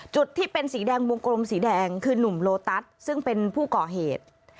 จุดที่เป็นสีแดงวงกลมสีแดงคือนุ่มโลตัสซึ่งเป็นผู้ก่อเหตุ